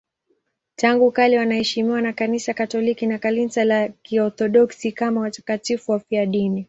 Tangu kale wanaheshimiwa na Kanisa Katoliki na Kanisa la Kiorthodoksi kama watakatifu wafiadini.